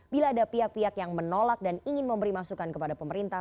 bila ada pihak pihak yang menolak dan ingin memberi masukan kepada pemerintah